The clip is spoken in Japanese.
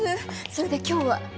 それで今日は？